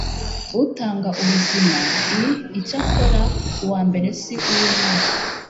utanga ubuzima l Icyakora uwa mbere si uw umwuka